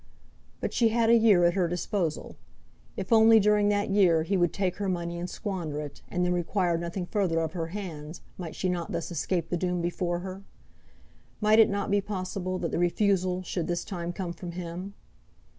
But she had a year at her disposal. If only during that year he would take her money and squander it, and then require nothing further of her hands, might she not thus escape the doom before her? Might it not be possible that the refusal should this time come from him?